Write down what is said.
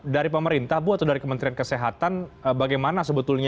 dari pemerintah bu atau dari kementerian kesehatan bagaimana sebetulnya